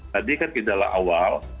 tadi kan gejala awal